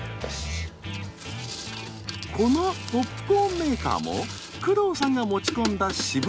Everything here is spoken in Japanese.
このポップコーンメーカーも工藤さんが持ち込んだ私物。